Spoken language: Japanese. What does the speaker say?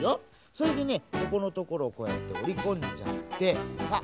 それでねここのところをこうやっておりこんじゃってさあ